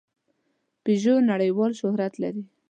پيژو نړۍوال شهرت لري.